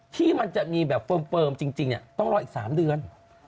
ที่มันจะมีแบบเฟิร์มจริงต้องรออีก๓เดือน